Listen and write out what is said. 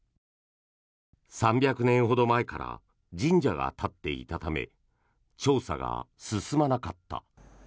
３００年ほど前から神社が立っていたため調査が進まなかった。